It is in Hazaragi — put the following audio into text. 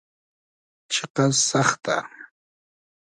چیقئس سئختۂ